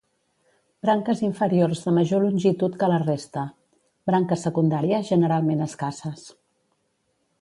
Branques inferiors de major longitud que la resta; branques secundàries generalment escasses.